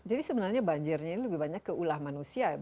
jadi sebenarnya banjirnya ini lebih banyak ke ulah manusia ya